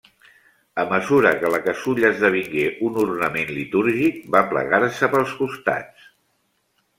A mesura que la casulla esdevingué un ornament litúrgic, va plegar-se pels costats.